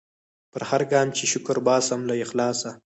پر هرګام چي شکر باسم له اخلاصه